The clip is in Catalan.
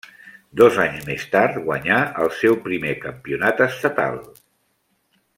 Dos anys més tard guanyà el seu primer campionat estatal.